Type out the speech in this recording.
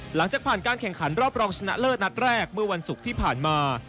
หลังจากผ่านการแข่งขันรอบรองชนะเลิศนัดแรกเมื่อวันศุกร์ที่ผ่านมา